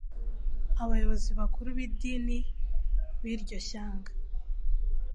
Abayobozi bakuru b’idini b’iryo shyanga